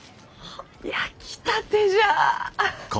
あ焼きたてじゃ！